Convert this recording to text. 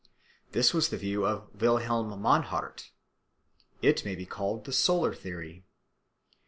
This was the view of Wilhelm Mannhardt. It may be called the solar theory.